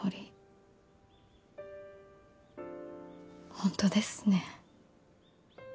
ホントですね。